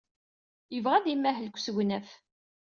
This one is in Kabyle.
Yebɣa ad imahel deg usegnaf.